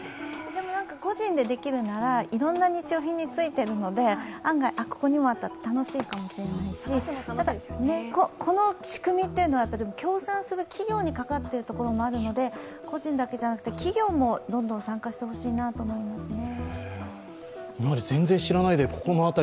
でも、個人でできるならいろんな日用品についてるので案外、ここにもあったと楽しいかもしれないし、ただ、この仕組みっていうのは協賛する企業にかかっているので個人だけじゃなくて、企業もどんどん参加してほしいなと思いますね。